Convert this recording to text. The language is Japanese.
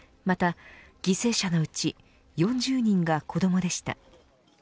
また犠牲者のうち４０人が子どもでした。